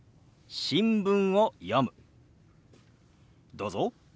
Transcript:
どうぞ。